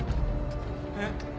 えっ。